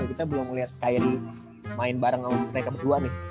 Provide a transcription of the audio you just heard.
kita belum melihat skyry main bareng sama mereka berdua nih